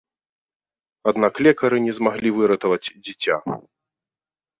Аднак лекары не змаглі выратаваць дзіця.